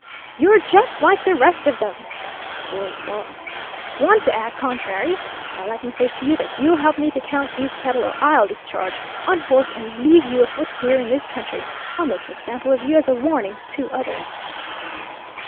"'You're just like the rest of them!' roared the boss. 'Want to act contrary! Now let me say to you that you'll help me to count these cattle or I'll discharge, unhorse, and leave you afoot here in this country! I'll make an example of you as a warning to others.'